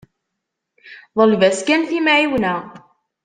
Ḍleb-as kan timεiwna.